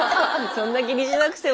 そんな気にしなくても。